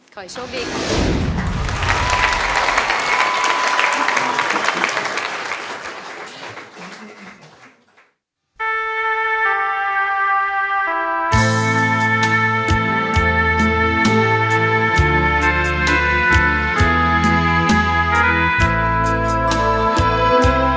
ขอให้โชคดีค่ะ